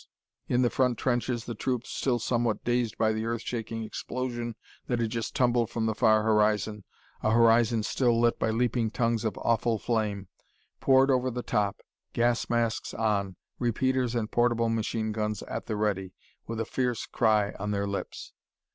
In the front trenches the troops, still somewhat dazed by the earth shaking explosion that had just tumbled from the far horizon a horizon still lit by leaping tongues of awful flame poured over the top, gas masks on, repeaters and portable machine guns at the ready, with a fierce cry on their lips.